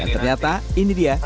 ternyata ini dia